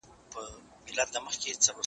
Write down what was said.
موږ چي ول باغ به شين وي